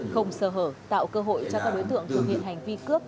không sơ hở tạo cơ hội cho các đối tượng thực hiện hành vi cướp